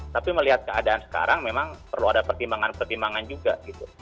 tapi melihat keadaan sekarang memang perlu ada pertimbangan pertimbangan juga gitu